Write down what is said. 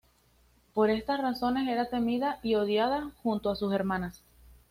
Por estas razones era temida y odiada, junto a sus hermanas.